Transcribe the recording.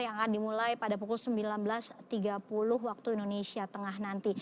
yang akan dimulai pada pukul sembilan belas tiga puluh waktu indonesia tengah nanti